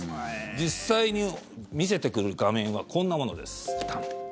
実際に見せてくる画面がこんなものです。